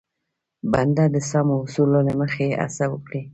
بنده د سمو اصولو له مخې هڅه وکړي.